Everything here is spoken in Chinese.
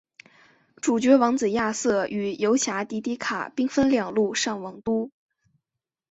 主角王子亚瑟与游侠迪迪卡兵分两路上王都。